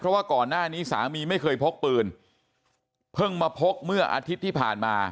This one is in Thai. เพราะว่าก่อนหน้านี้สามีไม่เคยพกปืนเพิ่งมาพกเมื่ออาทิตย์ที่ผ่านมา